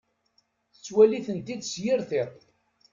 Yettwali-tent-id s yir tiṭ.